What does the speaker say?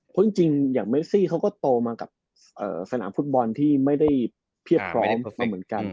เพราะจริงอย่างเมซี่เขาก็โตมากับสนามฟุตบอลที่ไม่ได้เพียบพร้อมเหมือนกัน